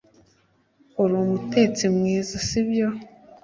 uri umutetsi mwiza, sibyo